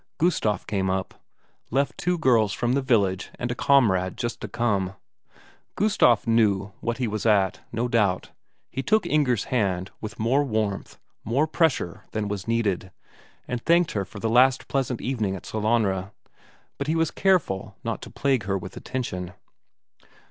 Gustaf came up. Left two girls from the village, and a comrade, just to come. Gustaf knew what he was at, no doubt; he took Inger's hand with more warmth, more pressure than was needed, and thanked her for the last pleasant evening at Sellanraa, but he was careful not to plague her with attention.